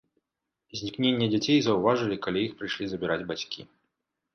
Знікненне дзяцей заўважылі, калі іх прыйшлі забіраць бацькі.